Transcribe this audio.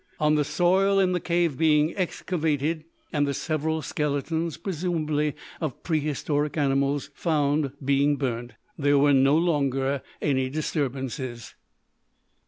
(On the soil in the cave being excavated, and the several skeletons, presumably of prehistoric animals, found being burnt, there were no longer any disturbances.)